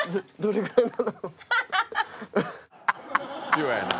ピュアやな。